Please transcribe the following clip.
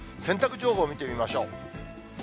洗濯情報見てみましょう。